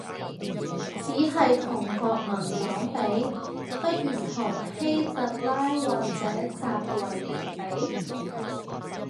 只係同國民黨比？，不如同希特拉或者習維尼比